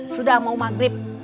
sudah mau maghrib